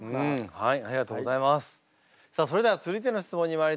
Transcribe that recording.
はい。